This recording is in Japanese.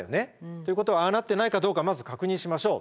ということはああなってないかどうかまず確認しましょう。